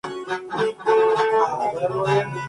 Su actual sede está ubicada en el distrito de San Isidro.